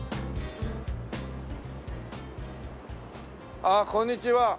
ああこんにちは。